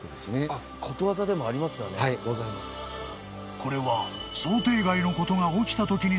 ［これは］